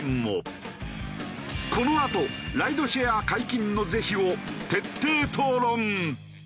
このあとライドシェア解禁の是非を徹底討論！